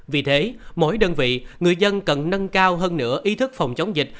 vì thế mỗi đơn vị người dân cần nâng cao hơn nữa ý thức phòng chống dịch